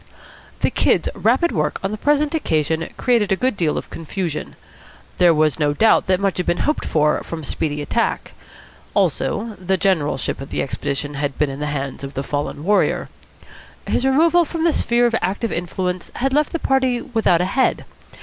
The Kid's rapid work on the present occasion created a good deal of confusion. There was no doubt that much had been hoped for from speedy attack. Also, the generalship of the expedition had been in the hands of the fallen warrior. His removal from the sphere of active influence had left the party without a head.